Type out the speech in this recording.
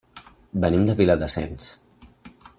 Venim de Viladasens.